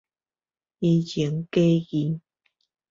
虛情假意